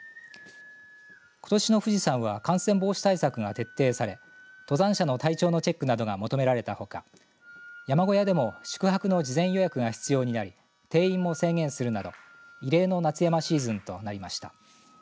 ことしの富士山は感染防止対策が徹底され登山者の体調のチェックなどが求められたほか山小屋でも宿泊の事前予約が必要になり定員も制限するなど異例の夏山シーズンとなりました。